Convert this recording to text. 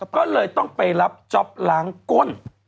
ก็เลยต้องไปรับจ๊อปล้างก้น